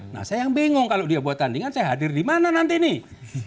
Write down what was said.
nah saya yang bingung kalau dia buat tandingan saya hadir di mana nanti nih